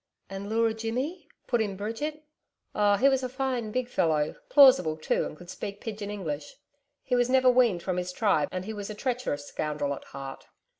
'And Leura Jimmy?' put in Bridget. 'Oh, he was a fine, big fellow plausible, too, and could speak pidgin English he was never weaned from his tribe, and he was a treacherous scoundrel at heart....